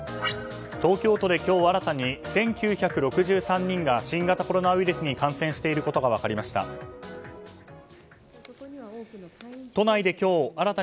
東京都で今日新たに１９６３人が新型コロナウイルスに感染していることが分かりました。